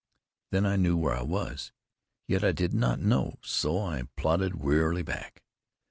Then I knew where I was, yet I did not know, so I plodded wearily back.